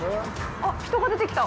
あっ、人が出てきた。